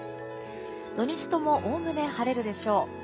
土日ともおおむね晴れるでしょう。